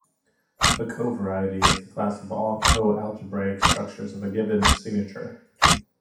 A covariety is the class of all coalgebraic structures of a given signature.